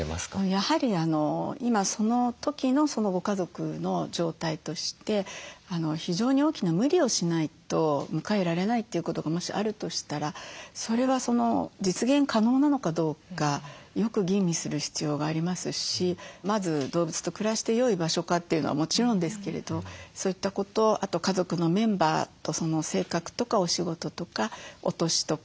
やはり今その時のご家族の状態として非常に大きな無理をしないと迎えられないということがもしあるとしたらそれは実現可能なのかどうかよく吟味する必要がありますしまず動物と暮らしてよい場所かというのはもちろんですけれどそういったことあと家族のメンバーとその性格とかお仕事とかお年とか。